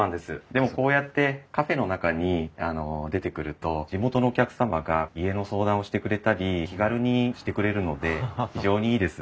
でもこうやってカフェの中に出てくると地元のお客様が家の相談をしてくれたり気軽にしてくれるので非常にいいです。